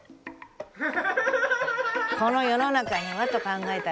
「この世の中には」と考えたら。